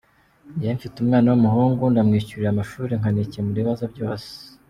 Njyewe mfite umwana w’umuhangu ndamwishyurira amashuri nkanikemurira ibibazo byose.